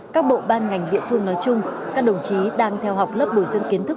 các bộ ban ngành địa phương nói chung các đồng chí đang theo học lớp bộ dân kiến thức